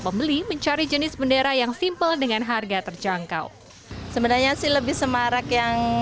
pembeli mencari jenis bendera yang simpel dengan harga terjangkau sebenarnya sih lebih semarak yang